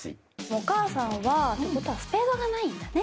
お母さんはってことはスペードがないんだね。